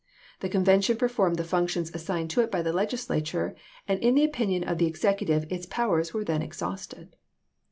The convention per formed the functions assigned to it by the Legis lature, and in the opinion of the executive its powers were then exhausted."